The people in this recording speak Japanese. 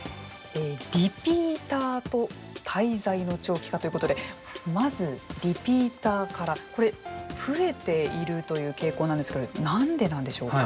「リピーター」と「滞在の長期化」ということでまずリピーターからこれ増えているという傾向なんですけど何でなんでしょうか。